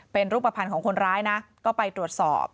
เป็นรูปภัณฑ์ของคนร้ายนะก็ไปตรวจสอบ